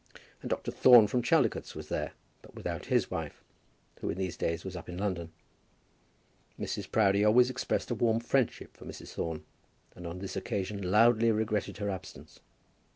And Dr. Thorne from Chaldicotes was there, but without his wife, who in these days was up in London. Mrs. Proudie always expressed a warm friendship for Mrs. Thorne, and on this occasion loudly regretted her absence.